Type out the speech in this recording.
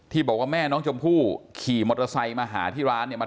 บอกว่าแม่น้องชมพู่ขี่มอเตอร์ไซค์มาหาที่ร้านเนี่ย